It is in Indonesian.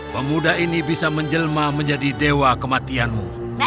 pemuda ini bisa menjelma menjadi dewa kematianmu